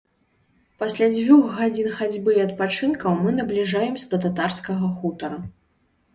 Пасля дзвюх гадзін хадзьбы і адпачынкаў мы набліжаемся да татарскага хутара.